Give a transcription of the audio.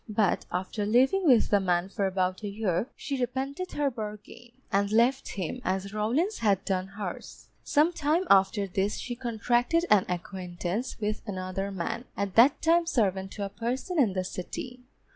But after living with the man for about a year, she repented her bargain, and left him, as Rawlins had done hers. Some time after this she contracted an acquaintance with another man, at that time servant to a person in the City.